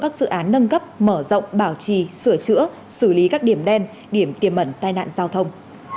các dự án nâng cấp mở rộng bảo trì sửa chữa xử lý các điểm đen điểm tiềm ẩn tai nạn giao thông